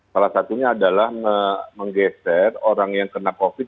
salah satunya adalah menggeser orang yang kena covid